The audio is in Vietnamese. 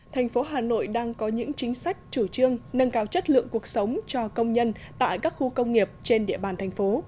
thành phố hà nội đang có những chính sách chủ trương nâng cao chất lượng cuộc sống cho công nhân tại các khu công nghiệp trên địa bàn thành phố